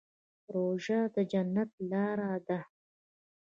روژه د جنت لاره ده.